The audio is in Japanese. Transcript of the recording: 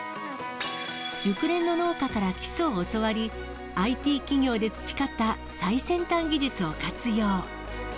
熟練の農家から基礎を教わり、ＩＴ企業で培った最先端技術を活用。